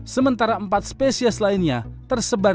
sementara empat spesies lainnya tersebar di afrika